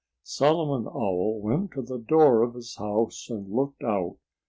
Solomon Owl went to the door of his house and looked out.